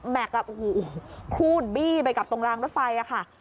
แมกอ่ะคู่นบี้ไปกับตรงรางรถไฟค่ะ